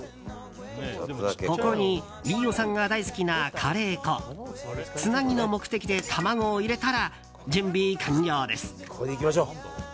ここに飯尾さんが大好きなカレー粉つなぎの目的で卵を入れたら準備完了です。